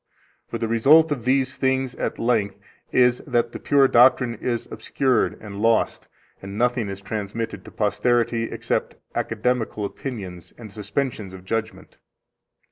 For the result of these things, at length, is that the pure doctrine is obscured and lost, and nothing is transmitted to posterity except academical opinions and suspensions of judgment.